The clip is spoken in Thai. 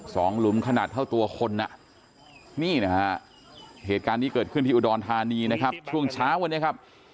หลุมขนาดเท่าตัวคนอ่ะนี่นะฮะเหตุการณ์นี้เกิดขึ้นที่อุดรธานีนะครับช่วงเช้าวันนี้ครับ